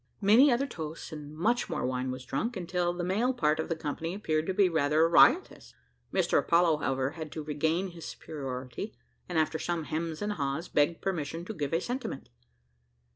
Many other toasts and much more wine was drunk, until the male part of the company appeared to be rather riotous. Mr Apollo, however, had to regain his superiority, and after some hems and hahs, begged permission to give a sentiment.